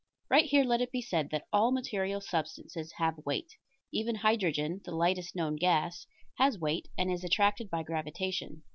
Right here let it be said that all material substances have weight; even hydrogen, the lightest known gas, has weight, and is attracted by gravitation.